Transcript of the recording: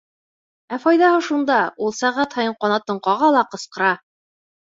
Ә файҙаһы шунда: ул сәғәт һайын ҡанатын ҡаға ла ҡысҡыра.